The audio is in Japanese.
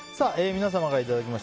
皆様からいただきました。